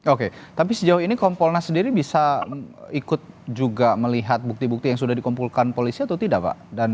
oke tapi sejauh ini kompolnas sendiri bisa ikut juga melihat bukti bukti yang sudah dikumpulkan polisi atau tidak pak